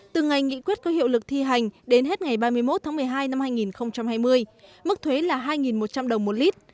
từ ngày nghị quyết có hiệu lực thi hành đến hết ngày ba mươi một tháng một mươi hai năm hai nghìn hai mươi mức thuế là hai một trăm linh đồng một lít